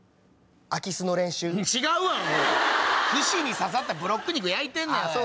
串に刺さったブロック肉焼いてんねん！